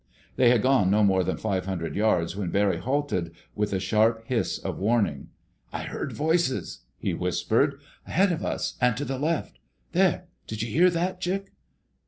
They had gone no more than five hundred yards when Barry halted, with a sharp hiss of warning. "I heard voices," he whispered, "ahead of us and to the left.... There! Did you hear that, Chick?"